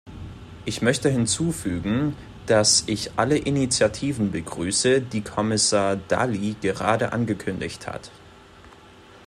Ich möchte hinzufügen, dass ich alle Initiativen begrüße, die Kommissar Dalli gerade angekündigt hat.